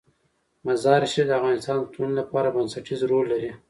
مزارشریف د افغانستان د ټولنې لپاره بنسټيز رول لري.